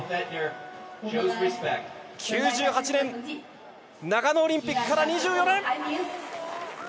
９８年長野オリンピックから２４年。